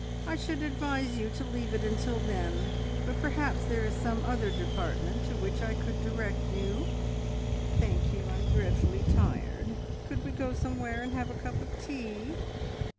I should advise you to leave it until then, but perhaps there is some other department to which I could direct you." "Thank you, I'm dreadfully tired. Could we go somewhere, and have a cup of tea?"